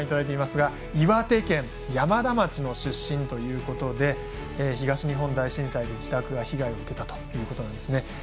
岩手県山田町の出身ということで東日本大震災で自宅が被害を受けたということなんですね。